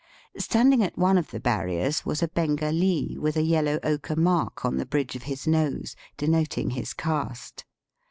Standing at one of the barriers was a Bengalee with a yellow ochre mark on the bridge of his nose, denoting his caste.